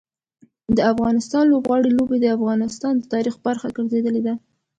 د افغان لوبغاړو لوبې د افغانستان د تاریخ برخه ګرځېدلي دي.